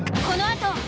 このあと。